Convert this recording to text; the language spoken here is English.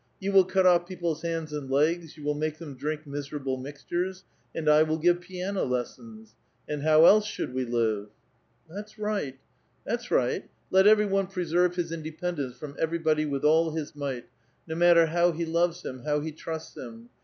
You will cut off people's hands and legs, you will make them drink miserable mixtures, and I will give piano lessons. And how else should we live ?"'* That's right, that's right. Let everyone presei've his independence from everybody with all his might, no matter how he loves him, how he trusts him